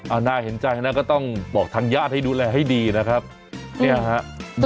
น่าเห็นใจนะก็ต้องบอกทางญาติให้ดูแลให้ดีนะครับเนี่ยฮะ